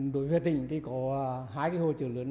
đối với tỉnh thì có hai cái hồ chữa lớn